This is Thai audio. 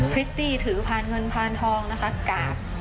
พฤติถือผ่านเงินผ่านทองนะคะกาก